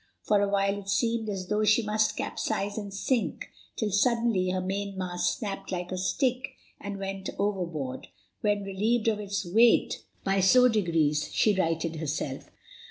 For a while it seemed as though she must capsize and sink, till suddenly her mainmast snapped like a stick and went overboard, when, relieved of its weight, by slow degrees she righted herself.